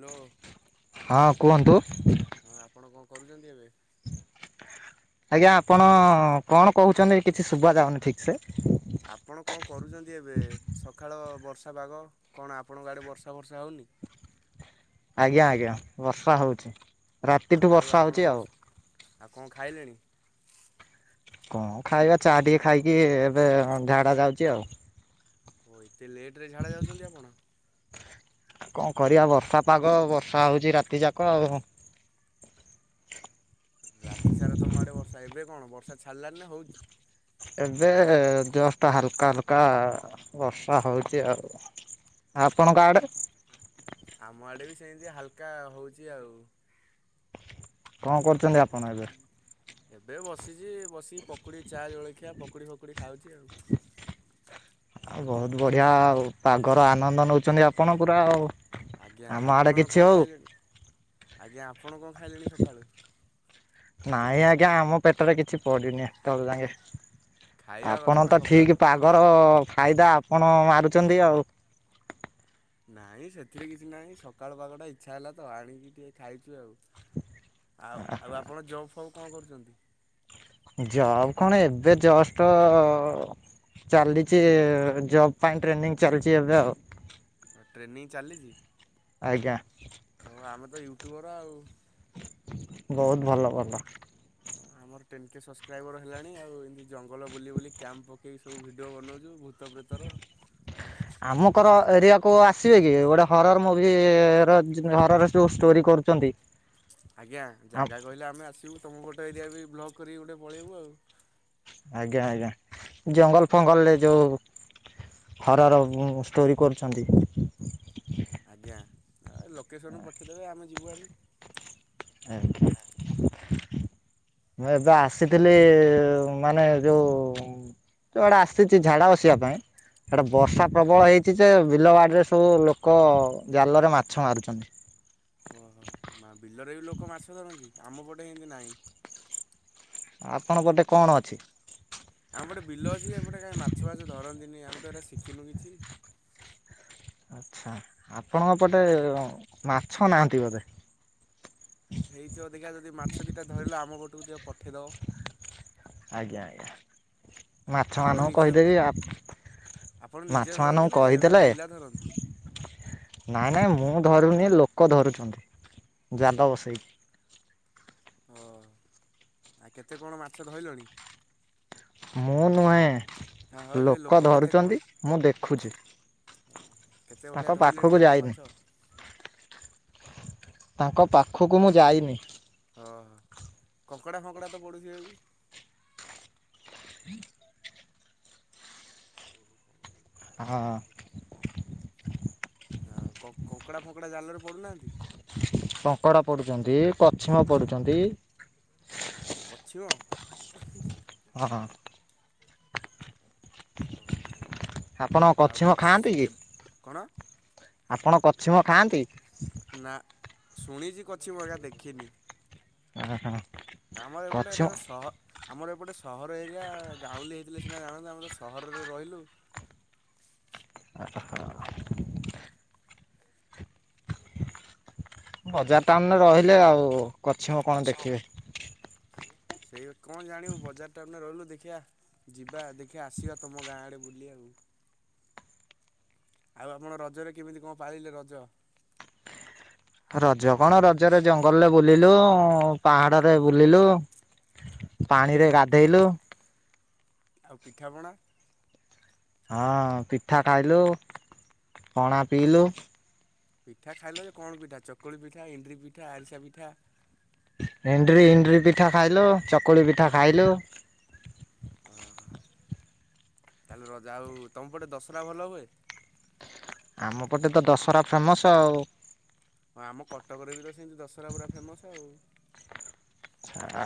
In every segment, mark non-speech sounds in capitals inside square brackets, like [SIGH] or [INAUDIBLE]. Hello. ହଁ କୁହନ୍ତୁ? ହଁ ଆପଣ କଣ କରୁଛନ୍ତି ଏବେ? ଆଜ୍ଞା ଆପଣ କଣ କହୁଛନ୍ତି କିଛି ସୁବା ଯାଉନି ଠିକ୍ ସେ? ଆପଣ କଣ କରୁଛନ୍ତି ଏବେ ସକାଳ ବର୍ଷା ପାଗ। କଣ ଆପଣଙ୍କ ଆଡ଼େ ବର୍ଷା ବର୍ଷା ହଉନି? ଆଜ୍ଞା ଆଜ୍ଞା ବର୍ଷା ହଉଛି। ରାତିଠୁ ଆଉ ବର୍ଷା ଆପଣ ହଉଛି ଆଉ ବର୍ଷ ଆଉ କଣ ଖାଇଲେଣି? କଣ ଖାଇବା ଚା ଟିକେ ଖାଇକି ଏବେ ଝାଡ଼ା ଯାଉଚି ଆଉ। ଓ ଏତେ ଲେଟ ରେ ଝାଡ଼ା ଯାଉଛନ୍ତି ଆପଣ? କଣ କରିବା ବର୍ଷା ପାଗ ବର୍ଷା ହେଉଚି ରାତିଯାକ ଆଉ। ରାତି ସାରା ତମ ଆଡ଼େ ବର୍ଷା ଏବେ କଣ ବର୍ଷା ଛାଡ଼ିଲାନି ନା ହଉଚି? ଏବେ ଜଷ୍ଟ ହାଲକା ହାଲକା ବର୍ଷା ହଉଚି ଆଉ। ଆ ଆପଣଙ୍କ ଆଡେ? ଆମ ଆଡ଼େ ବି ସେନ୍ତି ହାଲକା ହେଉଚି ଆଉ। କଣ କରୁଛନ୍ତି ଆ ଆପଣ ଏବେ ଛୁଟି [UNINTELLIGIBLE] ଏବେ ବସିଯି ବସିକି ପକୁଡ଼ି ଚା ଜଳଖିଆ ପକୁଡ଼ି ଫକୁଡ଼ି ଖାଉଚି ଆଉ। ଆଉ ବହୁତ ବଢିଆ ଆଉ ପାଗର ଆନନ୍ଦ ନଉଚନ୍ତି ଆପଣ ପୁରା ଆଉ। ଆଜ୍ଞା ଆମ ଆଡେ ଆପଣ କିଛି କଣ ହଉ ଖାଇଲେଣି ଆଜ୍ଞା ଆପଣ କଣ ଖାଇଲେଣି ସକାଳୁ? ନାଇଁ ଆଜ୍ଞା ଆମ ପେଟରେ କିଛି ପଡିନି ଏତେବେଳ ଯାକେ। ଖାଇବା କଥା ଆପଣ ନା ତ ସକାଳୁ। ଠିକ ପାଗର ଅ ଫାଇଦା ଆପଣ ମାରୁଚନ୍ତି ଆଉ। ନାଇଁ ସେଥିରେ କିଛି ନାହିଁ ସକାଳୁ ପାଗଟା ଇଚ୍ଛା ହେଲା ତ ଆଣିକି ଟିକେ ଖାଇଚୁ ଆଉ। ଆଉ ଆଉ ଆପଣ ଜବ୍ ଫବ କଣ କରୁଚନ୍ତି? ଜବ୍ କଣ ଏବେ ଜଷ୍ଟ ଅ ଚାଲିଚି ଜବ ପାଇଁ ଟ୍ରେନିଂ ଚାଲିଛି ଏବେ ଆଉ। ହଁ ଟ୍ରେନିଂ ଚାଲିଯି? ଆଜ୍ଞା। ହଉ ଆମେ ତ ୟୁଟ୍ୟୁବର ଆଉ ବହୁତ ଭଲକଥା। ହଁ ମୋର ଟେନ୍ କେ ସବସ୍କ୍ରାଇବର ହେଲାଣି ଆଉ ଏମିତି ଜଙ୍ଗଲ ବୁଲି ବୁଲି କ୍ୟାମ୍ପ ପକେଇି ସବୁ ଭିଡ଼ିଓ ବନଉଜୁ ଭୂତ ପ୍ରେତ ର। ଆମକର ଏରିଆକୁ ଆସିବେ କି ଗୋଟେ ହରର ମୁଭି ର ହରର ଯୋଉ ଷ୍ଟୋରି କରୁ ଚନ୍ତି। ଆଜ୍ଞା ଜାଗା କହିଲେ ଆମେ ଆସିବୁ ତୁମ ପଟ ଏରିଆ ବି ବ୍ଲଗ କରିକି ଗୋଟେ ପଳେଇବୁ ଆଉ। ଆଜ୍ଞା ଆଜ୍ଞା ଜଙ୍ଗଲ ଫଙ୍ଗଲ ରେ ଯୋଉ ହରର ଷ୍ଟୋରି କରୁଚନ୍ତି? ଆଜ୍ଞା ଲୋକେସନ୍ ପଠାଇଦେବେ ଆମେ ଯିବୁ ଆରି - ଆଜ୍ଞା। ମୁଁ ଏବେ ଆସିଥିଲି ମାନେ ଯୋଉ ଜୁଆଡ଼େ ଆସିଚି ଝାଡ଼ା ବସିବା ପାଇଁ ସେଟା ଆଜ୍ଞା। ବର୍ଷା ପ୍ରବଳ ହେଇଚି ଯେ ବିଲ ବାଡିରେ ସବୁ ଲୋକ ଜାଲରେ ମାଛ ମାରୁଚନ୍ତି। ଓହୋ ମା ବିଲରେ ବି ଲୋକ ମାଛ ଧରନ୍ତି ଆମ ପଟେ ହେନ୍ତି ନାହିଁ। ଆପଣଙ୍କ ପଟେ କଣ ଅଛି? ଆମ ପଟେ ବିଲ ଅଛି ଏପଟେ କାହିଁ ମାଛ ଫାଛ ମାଛ ଧରନ୍ତିନି ଆମେ ତ ଏରା ଶିଖିନୁ କିଛି। ଆଚ୍ଛା ଆପଣଙ୍କ ପଟେ ମାଛ ନାହାଁନ୍ତି ବୋଧେ? ହେଇଚି ଦେଖିବା ଯଦି ମାଛ ଦିଇଟା ଧରିଲେ ଆମ ପଟକୁ ଦିଟା ପଠେଇଦବ। ଆଜ୍ଞା ଆଜ୍ଞା ଆପଣ ମାଛମାନଙ୍କୁ ନିଜେ କହିଦେବି ଆ ଆପଣ ନିଜେ ଧରନ୍ତି ନା ପିଲା ଧରନ୍ତି? ନାଇଁ ନାଇଁ ମୁଁ ଧରୁନି ଲୋକ ଧରୁଚନ୍ତି ଜାଲ ବସେଇକି। ଓ -ଆ କେତେ କଣ ମାଛ ଧଇଲଣି? ମୁଁ ହଁ ହଁ ନୁହେଁ ଯେ ଲୋକ କେତେ ଧରୁଚନ୍ତି ମୁଁ ଦେଖୁଚି। ଓ କେତେ ଭଳିଆ ଧଇଲେଣି ଲୋକ ଯାଇନି ମାଛ? ତାଙ୍କ ପାଖକୁ ମୁଁ ଯାଇନି। ହଁ ହଁ କଙ୍କଡା ଫଙ୍କଡା ତ ପଡୁଥିବେ ବି। ଆ [INAUDIBLE] ହଁ। ଆ -କ- କଙ୍କଡା ଫଙ୍କଡା ଜାଲରେ ପଡୁନାହାନ୍ତି? କଙ୍କଡା ପଡୁଚନ୍ତି କଛପ ପଡୁଚନ୍ତି। କଛିମ। ହଁ। ହ [INAUDIBLE] ଓ ହ ଆଉ ବର୍ଷ୍ ଖାଆନ୍ତି କି? ଏ -କଣ? ଆପଣ କଛିମ ଖାଆନ୍ତି? ନା ଶୁଣିଚି କିଛିମ ହେକା ଦେଖିନି। ଓହୋ ଆମ ଏପଟେ କଛିମ ଏରିଆର ସହ ଆମର ଏପଟେ ସହର ଏରିଆ ଗାଉଁଲି ହେଇଥିଲେ ସିନା ଜାଣନ୍ତୁ ଆମେ ତ ସହରରେ ରହିଲୁ। [INAUDIBLE] ବଜାର ଟାଉନ୍ ରେ ରହିଲେ ଆଉ କଛିମ କଣ ଦେଖିବେ। ସେଇ କଣ ଜାଣିବୁ ବଜାର ଟାଉନ୍ ରେ ରହିଲୁ ଦେଖିଆ ଯିବା ଦେଖିଆ ଆସିବା ତମ ଗାଁ ଆଡେ ବୁଲି ଆଉ। ଆଉ ଆପଣ ରଜରେ କେମିତି କଣ ପାଳିଲେ ରଜ? ରଜ କଣ ରଜରେ ଜଙ୍ଗଲରେ ବୁଲିଲୁ ପାହାଡରେ ବୁଲିଲୁ ପାଣିରେ ଗାଧେଇଲୁ। ଆଉ ପିଠାପଣା? ହଁ ପିଠା ଖାଇଲୁ ପଣା ପିଇଲୁ। ପିଠା ଖାଇଲ ଯେ କଣ ପିଠା ଚକୁଳି ପିଠା ଏଣ୍ଡୁରି ପିଠା, ଆରିସା ପିଠା? ଏଣ୍ଡୁରି -ଏଣ୍ଡୁରି ପିଠା ଖାଇଲୁ ଚକୁଳି ପିଠା ଖାଇଲୁ। ଅଁ- ହଁ ତାହେଲେ ରଜ- ଆଉ ତମ ପଟେ ଦଶରା ଭଲ ହୁଏ? ଆମ ପଟେ ତ ଦଶରା ଫେମସ୍ ଆଉ। ହଁ ଆମ କଟକରେ ବି ତ ସେମିତି ଦଶହରା ପୁରା ଫେମସ୍ ଆଉ।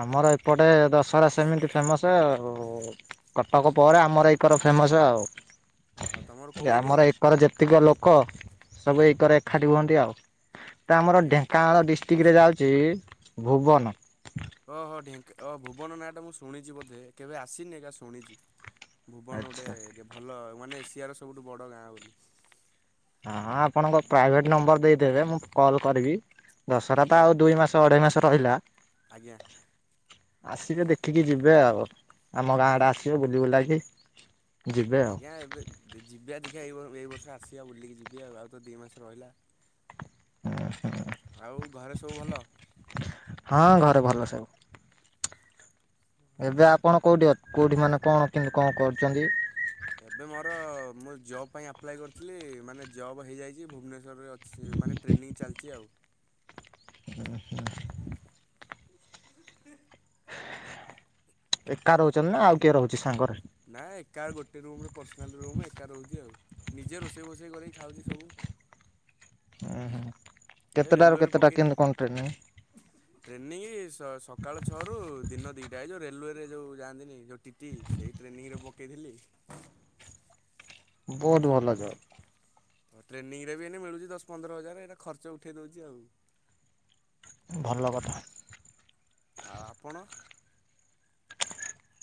ଆମର ଏପଟେ ଦଶହରା ସେମିତି ଫେମସ୍ ଆଉ। କଟକ ପରେ ଆମର ଏକର ଫେମସ୍ ଆଉ ଓହୋ ତମର କୋଉ ଏରିଆ ଆମର କି? ଏକର ଯେତ୍ ଯେତିକ ଲୋକ ସବୁ ଏକରେ ଏକାଠି ହୁଅନ୍ତି ଆଉ ତ ଆମର ଆଜ୍ଞା ଢେଙ୍କାନାଳ ଡିଷ୍ଟ୍ [UNINTELLIGIBLE] ଯାଉଚି ଭୁବନ। ଓହୋ ଢେଙ୍କ୍- ଭୁବନ ନାଁ ଟା ମୁଁ ଶୁଣିଚି ବୋଧେ କେବେ ଆସିନି ଏକା ଶୁଣିଚି। ଭୁବନ ଗୋଟେ ଆଚ୍ଛା କେ- ଭଲ ମାନେ ଏସିଆର ସବୁଠୁ ବଡ ଗାଁ ବୋଲି। ହଁଁ ଆପଣଙ୍କ ପ୍ରାଇଭେଟ୍ ନମ୍ବର ଦେଇ ଦେବେ ମୁଁ କଲ୍ କରିବି ଦଶରା ତ ଆଜ୍ଞା ଆଉ ଦୁଇ ମାସ ଅଢେଇ ମାସ ରହିଲା ଆଜ୍ଞା ଆସିବେ ଦେଖିକି ଯିବେ ଆଉ ଆମ ଗାଁ ଆଜ୍ଞା। ଆଡେ ଆସିବେ ବୁଲି ବୁଲାକି ଯିବେ ଆଉ ଆଜ୍ଞା ଏବେ ଯିବା ଦେଖିବା ଏ ଏଇ ବର୍ଷ ଆସିବା ବୁଲିକି ଯିବି ଆଉ ଆଉ ତ ଦିଇ ମାସ ରହିଲା। ଆଉ ଘରେ ସବୁ ଭଲ? ହଁ ଘରେ ଭଲ ସବୁ। ଏବେ ଆପଣ କୋଉଠି ଅ କୋଉଠି ମାନେ କଣ କିମିତି କଣ କରୁଚନ୍ତି। ଏବେ ମୋର ମୁଁ ଜବ୍ ପାଇଁ ଆପ୍ଲାଏ କରିଥିଲି ମାନେ ଜବ୍ ହେଇଯାଇଛି ଭୁବନେ ଜରୁରୀ ଅଛି ମାନେ ଟ୍ରେନିଂ ଚାଲିଛି ଆଉ। ହୁଁ ହୁଁ। ଏକା ରହୁଛନ୍ତି ନା ଆଉ କିଏ ରହୁଛି ସାଙ୍ଗରେ? ନା ଏକା ଗୋଟେ ରୁମରେ ପର୍ସନାଲ୍ ରୁମ୍ ଏକା ରହୁଛି ଆଉ। ନିଜେ ରୋଷେଇ ବୋଷେଇ କରିକି ଖାଉଛି ସବୁ। ହୁଁ ହୁଁ ଏ କେତେଟାରୁ ରେଲୱେରେ କେତେଟା ପକେଇ କିମିତି କଣ ଟ୍ରେନିଂ? ଟ୍ରେନିଂ ସ ସକାଳ ଛଅ ରୁ ଦିନ ଦିଟା ଏ ଯୋଉ ରେଲୁୱେରେ ଯୋଉ ଯାଆନ୍ତିନି ଯୋଉ ଟିଟି ସେଇ ଟ୍ରେନିଂରେ ପକେଇଥିଲି। ବହୁତ ଭଲ ଜାଉ। ହୋଉ ଟ୍ରେନିଂରେ ବି ଏନି ମିଳୁଛି ଦଶ ପନ୍ଦର ହଜାର ଏଟା ଖର୍ଚ୍ଚ ଉଠେଇ ଦୋଉଚି ଆଉ। ଭଲ କଥା। ଆଉ ଆପଣ?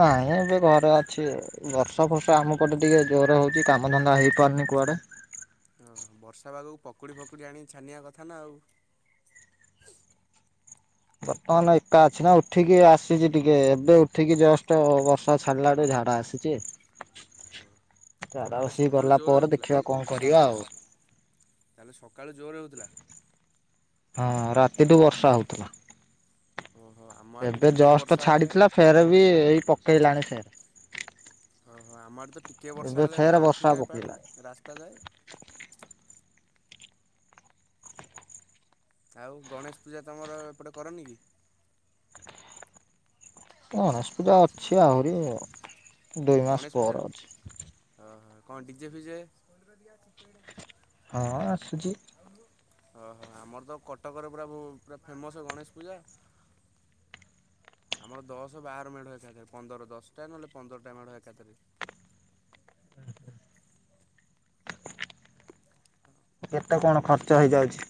ନାଇଁ ଏବେ ଘରେ ଅଛି। ବର୍ଷା ଫର୍ଷା ଆମ ପଟେ ଟିକେ ଜୋର ହଉଛି କାମଧନ୍ଦା ହେଇ ପାରୁନି କୁଆଡେ। ଓ ବର୍ଷା ପାଗକୁ ପକୁଡ଼ି ଫକୁଡ଼ି ଆଣିକି ଛାଣିବା କଥା ନା ଆଉ। ବର୍ତ୍ତମାନ ଏକା ଅଛି ନା ଉଠିକି ଆସିଛି ଟିକେ ଏବେ ଉଠିକି ଜଷ୍ଟ ବର୍ଷା ଛାଡିଲା ଏବେ ଝାଡା ଆସିଛି। କିଏ? ହଁ ତାମାନେ ସକାଳୁ ଗଲା ଜୋରେ ପରେ ହୋଉଥିଲା। ଦେଖିବା କଣ କରିବା ଆଉ ତାହେଲେ ସକାଳୁ ଜୋରେ ହୋଉଥିଲା। ହଁ ରାତିଠୁ ବର୍ଷା ହୋଉଥିଲା। ଓହୋ ଆମ ଆଡ଼େ ତ ଏବେ ଟିକେ ଜଷ୍ଟ ବର୍ଷା ହେଲେ ଛାଡ଼ିଥିଲା ଫେରେ ବି ଏଇ ପକେଇଲାଣି ଫେରେ। ଓହୋ ଆମଆଡେ ତ ଟିକେ ବର୍ଷା ହେଲେ ଫେର ପୁରା ଆଣ୍ଠୁ ବର୍ଷା ଯାଏ ପାଣି ପକେଇଲାଣି ରାସ୍ତା ଯାଏ। ଆଉ ଗଣେଶ ପୂଜା ତମର ଏପଟେ କରନି କି? ଗଣେଶ ପୂଜା ଅଛି ଆହୁରି ଆଉ। ହଁ ଗଣେଶ ପୂଜା ଓହ କଣ ଡିିଜେ ଫିଜେ? ହଁ ଆସୁଛିି। ଓହୋ ଆମର ତ କଟକରେ ପୁରା ପୁରା ଫେମସ ଗଣେଶ ପୂଜା। ଆମର ଦଶ ବାର ମେଢ ଏକାଥରେ ପନ୍ଦର ଦଶଟା ନହେଲେ ପନ୍ଦରଟା ମେଢ ଏକାଥରେ। ଅ କେତେ କଣ ଖର୍ଚ୍ଚ ହେଇଯାଉଛି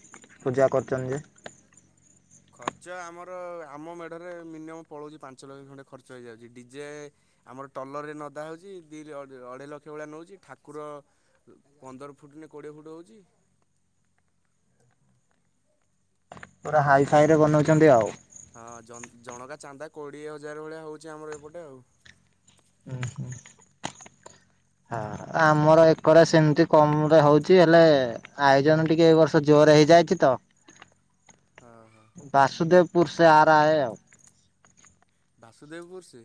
ପୂଜା କରୁଛନ୍ତି ଯେ। ଖର୍ଚ୍ଚ ଆମର ଆମ ମେଢ଼ରେ ମିନିୟମ୍ ପଳଉଛି ପାଞ୍ଚ ଲକ୍ଷ ଖଣ୍ଡେ। ଖର୍ଚ୍ଚ ହେଇଯାଉଛି ଡିଜେ ଆମର ଟଲରେ ନଦା ହୋଉଚି ଦି ଅଢେଇ ଲକ୍ଷ ଭଳିଆ ନଉଚି। ଠାକୁର ପନ୍ଦର ଫୁଟ୍ ନେ କୋଡ଼ିଏ ଫୁଟ୍ ହୋଉଛି। ପୁରା ହାଇ ଫାଇ ରେ ବନଉଛନ୍ତି ଆଉ। ହଁ ଜଣକା ଚାନ୍ଦା କୋଡ଼ିଏ ହଜାର ଭଳିଆ ହଉଚି ଆମର ଏପଟେ ଆଉ। ଉଁ ହୁଁ ହାଁ। ଆମର ଏକର ସେମିତି କମ୍ ରେ ହୋଉଚି ହେଲେ ଆୟୋଜନ ଟିକେ ଏଇ ବର୍ଷ ଜୋରରେ ହେଇଯାଇଛି ତ। ହଁ ହଁ। ବାସୁଦେବପୁର ସେ ଆରାଏ ଆଉ। ବାସୁଦେବ୍ ପୁରୁ ସେ?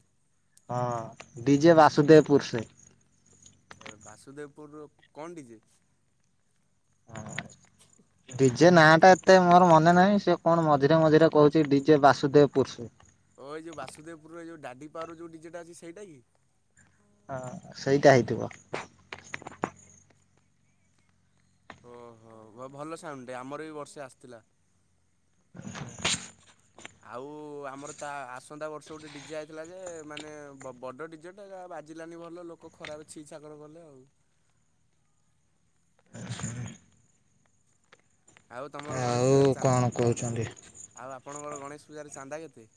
ହଁ ଡିଜେ ବାସୁଦେବ୍ ପୁରୁ ସେ। ବାସୁଦେବ୍ ପୁର ର କଣ ଡିଯେ? [INAUDIBLE] ଡିଜେ ନାଁ ଟା ଏତେ ମୋର ମନେ ନାହିଁ ସେ କଣ ମଝିରେ ମଝିରେ କହୁଛି ଡିଜେ ବାସୁଦେବ୍ ପୁରୁଷୁ। ଓ ଏ ଯେଉ ବାସୁଦେବ୍ ପୁର ର ଏ ଯୋଉ ଡାଡି ପାୱାର ଯୋଉ ଡିଜେଟା ଅଛି ସେଇଟା କି? ହଁ ସେଇଟା ହେଇଥିବ। ଓହୋ ଭଲ ସାଉଣ୍ଡ୍ ଟାଏ ଆମର ବି ବର୍ଷେ ଆସିଥିଲା। ହ [UNINTELLIGIBLE] ଆଉ ଆମର ତା ଆସନ୍ତା ବର୍ଷ ଗୋଟେ ଡିଜେ ଆଇଥିଲା ଯେ ମାନେ ବଡ ଡି ଜଟା ବାଜିଲାନି ଭଲ ଲୋକ ଖରାପେ ଛି ଛାକର କଲେ ଆଉ। ଆ ସେ [UNINTELLIGIBLE] ଆଉ ତୁମର ଗଣେଶ ଆଉ ପୂଜାରେ ଚାନ୍ଦ କଣ କହୁଛନ୍ତି? ଆଉ ଆପଣଙ୍କର ଗଣେଶ ପୂଜାରେ ଚାନ୍ଦା କେତେ?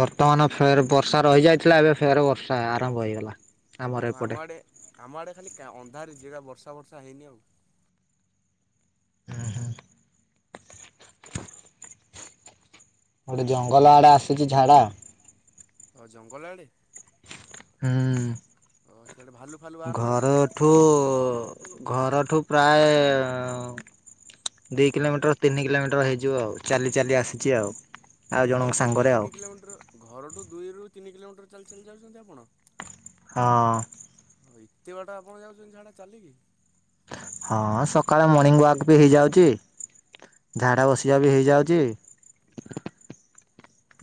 ବର୍ତ୍ତମାନ ଫେରେ ବର୍ଷା ରହି ଯାଇଥିଲା ଏବେ ଫେର ବର୍ଷା ଆରମ୍ଭ ହେଇଗଲା। ଓ ଆମର ଏପଟେ। ଆମ ଆଡ଼େ ଆମ ଆଡ଼େ ଖାଲି କା ଅନ୍ଧାର ଯା ବର୍ଷା ବର୍ଷା ହେଇନି ଆଉ। ହୁଁ ହୁଁ। ଗୋଟେ ଜଙ୍ଗଲ ଆଡେ ଆସିଚି ଝାଡା ଅ ଜଙ୍ଗଲ ଆଡ଼େ ହୁଁ। ଓ ସିଆଡେ ଭାଲୁ ଫାଲୁ ବାହାରୁ ନାହାନ୍ତି? ଘରଠୁ ଘରଠୁ ପ୍ରାୟ ଦି କିଲୋମିଟର ତିନି କିଲୋମିଟର ହେଇଯିବ ଆଉ ଚାଲି ଚାଲି ଆସିଚି ଆଉ। ଆଉ ଜଣଙ୍କ ଘରଠୁ ଦି ସାଙ୍ଗରେ ଆଉ ତିନି କିଲୋମିଟର ଘରଠୁ ଦୁଇରୁ ତିନି କିଲୋମିଟର ଚାଲି ଚାଲି ଯାଉଚନ୍ତି ଆପଣ? ହଁ। ହଁ ଏତେ ବାଟ ଆପଣ ଯାଉଚନ୍ତି ଝାଡା ଚାଲିକି? ହଁ ସକାଳ ମର୍ଣିିଂ ୱାକ୍ ବି ହେଇଯାଉଚି ଝାଡ଼ା ଓହୋ। ବସିଆ ବି ହେଇଯାଉଚି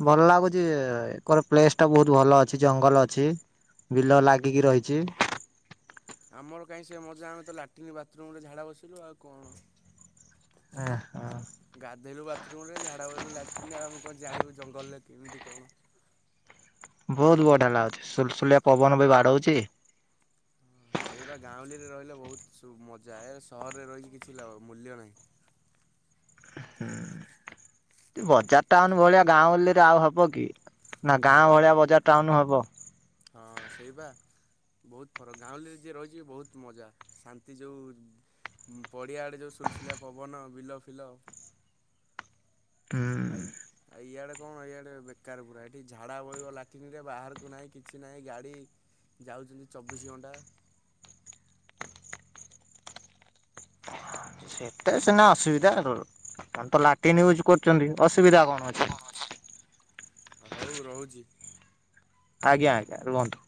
ଭଲ ଲାଗୁଚି ଏକର ପ୍ଲେସ୍ ଟା ବହୁତ୍ ଭଲ ଅଛି ଜଙ୍ଗଲ ଅଛି ବିଲ ଲାଗିକି ରହିଛି। ଆମର କାଇଁ ସେ ମଜା ଆମେ ତ ଲାଟିନ୍ ବାଥରୁମ୍ ରେ ଝାଡ଼ା ବସିଲୁ ଆଉ କଣ। ଓହୋ। ଗାଧେଇଲୁ ବାଥରୁୁମ୍ ରେ ଝାଡ଼ା ଗଲୁ ଲାଟିନି୍ ରେ ଆମେ କଁ ଜାଣିବୁ ଜଙ୍ଗଲରେ କେମିତି କଣ। ବହୁତ୍ ବଢ଼ିଆ ଲାଗୁଚି ସୁଲୁ ସୁଲିଆ ପବନ ବି ବାଡଉଚି ହଁ ସେଇ ବା ଗାଁଉଲି ରେ ରହିଲେ ବହୁତ୍ ମଜା ଏ ସହରରେ ରହିକି କିଛି ଲା ମୂଲ୍ୟ ନାହିଁ। ହୁଁ ବଜାର ଟାଉନ୍ ଭଳିଆ ଗାଉଁଲି ରେ ଆଉ ହବ କି? ନା ହଁ ଗାଁ ବା ଏଠି ଭଳିଆ ବଜାର ଟାଉନ୍ ହବ। ହଁ ସେଇ ବା। ବହୁତ ଫରକ୍ ଗାଉଁଲି ରେ ଯିଏ ରହିଚି ବହୁତ ମଜା ଶାନ୍ତି ଯୋଉ ପଡ଼ିଆ ଆଡ଼େ ଯୋଉ ସୁଲସୁଲିଆ ପବନ ବିଲ ଫିଲ ଆଇ ହୁଁ ଆ ଇଆଡେ କଣ ଇଆଡେ ବେକାର ପୁରା ଏଠି ଝାଡା ବଇବ ଲାଟିନ୍ ରେ ବାହାରକୁ ନାହିଁ କିଛି ନାହିଁ ଗାଡି ଯାଉଚନ୍ତି ଚବିଶ ଘଣ୍ଟା। ସେଇଟା ସିନା ଅସୁବିଧା ଆପଣ ତ ଲାଟିନ୍ ୟୁଜ୍ କରୁଚନ୍ତି ଅସୁବିଧା କଣ ଅ ହଉ ରହୁଛି ଆଜ୍ଞା ଆଜ୍ଞା ରୁହନ୍ତୁ।